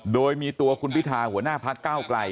โดยมีตัวคุณพิธาหัวหน้าพักเก้าไกล